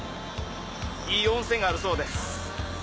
いい温泉があるそうです